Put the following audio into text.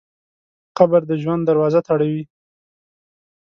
قبر د ژوند دروازه تړوي.